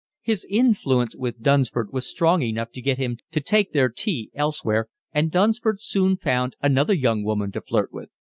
His influence with Dunsford was strong enough to get him to take their tea elsewhere, and Dunsford soon found another young woman to flirt with.